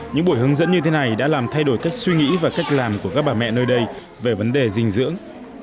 những buổi hướng dẫn như thế này đã làm thay đổi cách suy nghĩ và cách làm của các bà mẹ nơi đây về vấn đề dinh dưỡng